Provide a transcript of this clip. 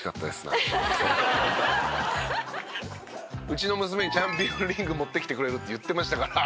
うちの娘にチャンピオンリング持ってきてくれるって言ってましたから。